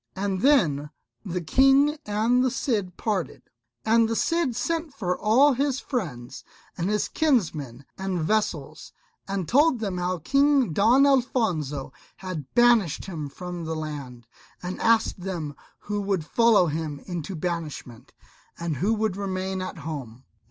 And then the King and the Cid parted. And the Cid sent for all his friends and his kinsmen and vassals, and told them how King Don Alfonso had banished him from the land, and asked of them who would follow him into banishment, and who would remain at home.